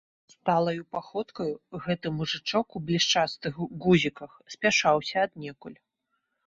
Сталаю паходкаю гэты мужычок у блішчастых гузіках спяшаўся аднекуль.